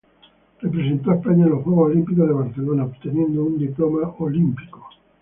Representó a España en los Juegos Olímpicos de Barcelona, obteniendo un diploma olímpico.